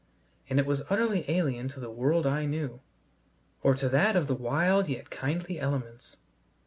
And it was utterly alien to the world I knew, or to that of the wild yet kindly elements.